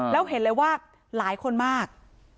แล้วเห็นเลยว่าหลายคนมาก